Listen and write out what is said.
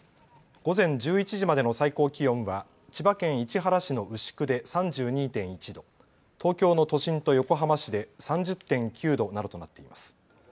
午前１１時までの最高気温は千葉県市原市の牛久で３２．１度、東京の都心と横浜市で３０．９度などとなっています。